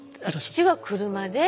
父は車で。